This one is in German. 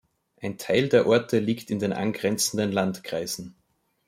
Ein Teil der Orte liegt in den angrenzenden Landkreisen.